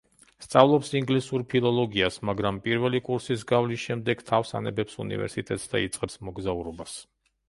სწავლობს ინგლისურ ფილოლოგიას, მაგრამ პირველი კურსის გავლის შემდეგ თავს ანებებს უნივერსიტეტს და იწყებს მოგზაურობას.